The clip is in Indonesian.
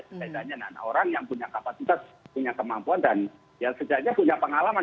sejajarnya orang yang punya kapasitas punya kemampuan dan yang sejajarnya punya pengalaman